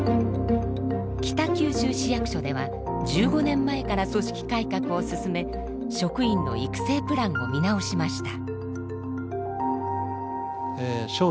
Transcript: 北九州市役所では１５年前から組織改革を進め職員の育成プランを見直しました。